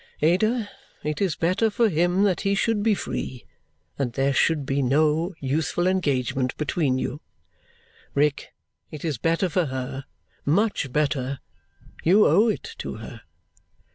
Ada, it is better for him that he should be free and that there should be no youthful engagement between you. Rick, it is better for her, much better; you owe it to her.